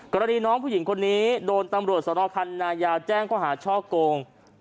กรณีน้องผู้หญิงคนนี้โดนตำรวจสนคันนายาวแจ้งก็หาช่อโกง